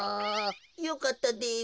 よかったです。